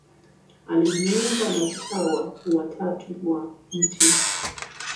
Alijiunga na Utawa wa Tatu wa Mt.